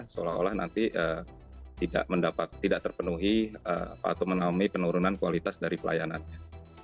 seolah olah nanti tidak terpenuhi atau menaungi penurunan kualitas dari pelayanannya